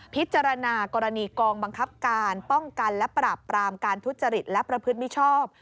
พิจารณากรณีกองบังคับการป้องกันและปราบปรามการทุจริตและประพฤติมิชชอบ